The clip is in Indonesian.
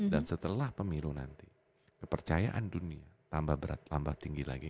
dan setelah pemilu nanti kepercayaan dunia tambah berat tambah tinggi lagi